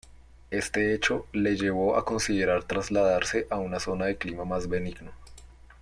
Este hecho le llevó a considerar trasladarse a una zona de clima más benigno.